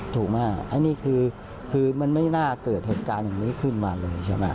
ถูกมากอันนี้คือมันไม่น่าเกิดเหตุการณ์อย่างนี้ขึ้นมาเลยใช่ไหม